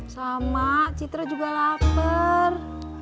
sama citra juga lapar